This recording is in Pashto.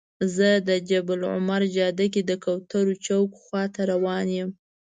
زه د جبل العمر جاده کې د کوترو چوک خواته روان یم.